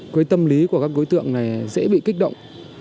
cái tâm lý của các đối tượng này dễ bị kích động